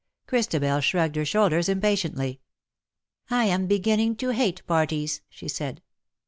Christabel shrugged her shoulders impatiently. '^ I am beginniug to hate parties," she said..